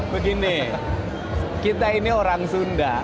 begini kita ini orang sunda